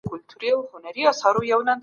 تاسو به د خپل کار او ژوند ترمنځ توازن ساتئ.